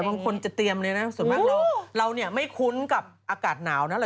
บางคนจะเตรียมเลยนะส่วนมากเราเนี่ยไม่คุ้นกับอากาศหนาวนะอะไร